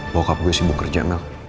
bokap gue sibuk kerja mel